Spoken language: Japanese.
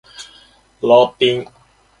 ローピン